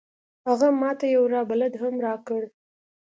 هغه ما ته یو راه بلد هم راکړ.